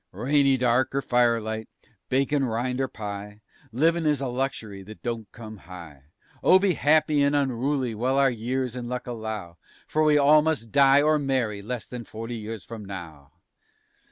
"_ Rainy dark or firelight, bacon rind or pie, Livin' is a luxury that don't come high; Oh, be happy and onruly while our years and luck allow, For we all must die or marry less than forty years from now!